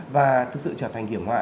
và thực sự trở thành hiểm họa